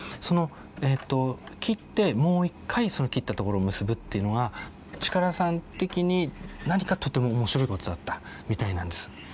その切ってもう一回その切ったところを結ぶっていうのが力さん的に何かとても面白いことだったみたいなんです。